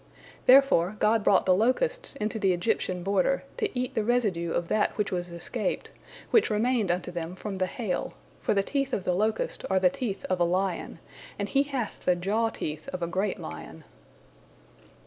Therefore God brought the locusts into the Egyptian border, to eat the residue of that which was escaped, which remained unto them from the hail, for the teeth of the locust are the teeth of a lion, and he hath the jaw teeth of a great lion.